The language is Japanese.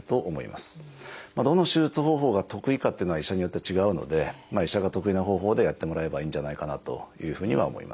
どの手術方法が得意かっていうのは医者によって違うので医者が得意な方法でやってもらえばいいんじゃないかなというふうには思いますね。